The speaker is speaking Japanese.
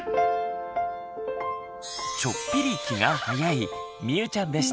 ちょっぴり気が早いみゆちゃんでした。